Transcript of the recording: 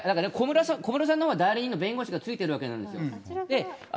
小室さんのほうは代理人の弁護士がついてるわけなんですよ。